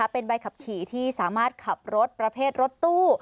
เป็นใบขับขี่ที่สามารถขับรถประเภทรถตู้